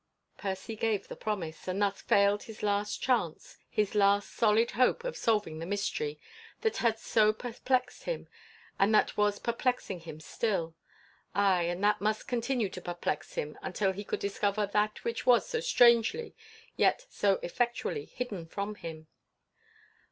Percy gave the promise, and thus failed his last chance, his last solid hope of solving the mystery that had so perplexed him and that was perplexing him still; aye, and that must continue to perplex him until he could discover that which was so strangely, yet so effectually, hidden from him.